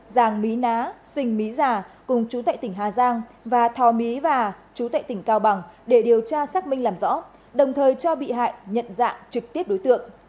giàng mí ná sình mí già cùng chú tệ tỉnh hà giang và thò mí và chú tệ tỉnh cao bằng để điều tra xác minh làm rõ đồng thời cho bị hại nhận dạng trực tiếp đối tượng